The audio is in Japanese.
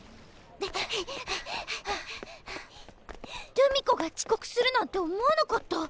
留美子がちこくするなんて思わなかった。